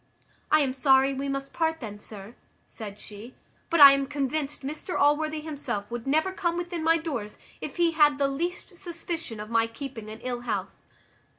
"I am sorry we must part then, sir," said she; "but I am convinced Mr Allworthy himself would never come within my doors, if he had the least suspicion of my keeping an ill house."